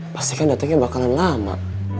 pasti kan datengnya bakalan lama